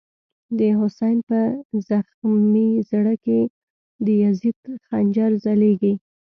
دحسین” په زخمی زړه کی، دیزید خنجر ځلیږی”